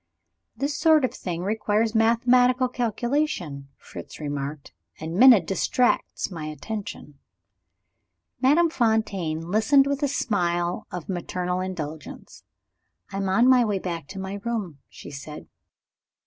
"This sort of thing requires mathematical calculation," Fritz remarked; "and Minna distracts my attention." Madame Fontaine listened with a smile of maternal indulgence. "I am on my way back to my room," she said.